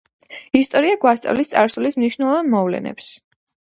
ისტორია გვასწავლის წარსულის მნიშვნელოვან მოვლენებს.